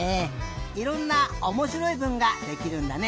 いろんなおもしろいぶんができるんだね。